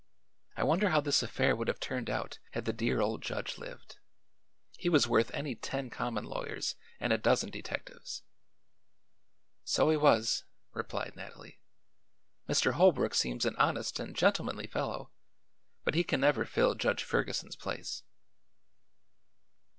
I wonder how this affair would have turned out had the dear old judge lived. He was worth any ten common lawyers and a dozen detectives." "So he was," replied Nathalie. "Mr. Holbrook seems an honest and gentlemanly fellow, but he never can fill Judge Ferguson's place."